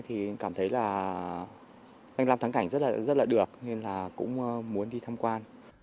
thì cảm thấy là anh làm thắng cảnh rất là được nên là cũng muốn đi tham quan